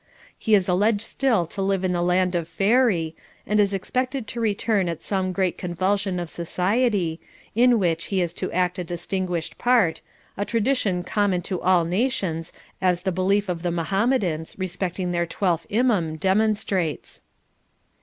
He is alleged still to live in the land of Faery, and is expected to return at some great convulsion of society, in which he is to act a distinguished part, a tradition common to all nations, as the belief of the Mahomedans respecting their twelfth Imaum demonstrates.